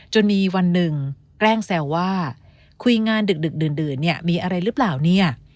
จนมีวันหนึ่งแกล้งแซวว่าคุยงานดึกดื่นเนี่ยมีอะไรหรือเปล่าเนี่ย